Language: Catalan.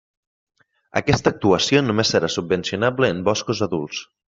Aquesta actuació només serà subvencionable en boscos adults.